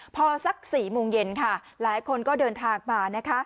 พอสักสี่มงเย็นหลายคนก็เดินทางมา